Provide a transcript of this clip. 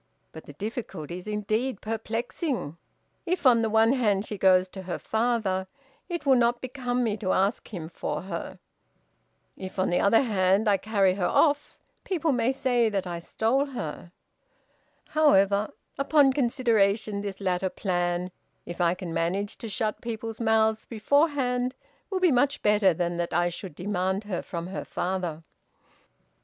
But the difficulty is indeed perplexing. If, on the one hand, she goes to her father, it will not become me to ask him for her. If, on the other hand, I carry her off, people may say that I stole her. However, upon consideration, this latter plan, if I can manage to shut people's mouths beforehand, will be much better than that I should demand her from her father."